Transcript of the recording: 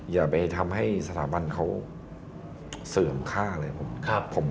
อย่าไปทำให้สถาบันเขาเสื่อมค่าอะไรผม